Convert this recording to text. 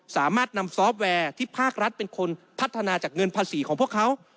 สามารถนำซอฟต์แวร์ที่ภาครัฐเป็นคนพัฒนาจากเงินภาษีของพวกเขา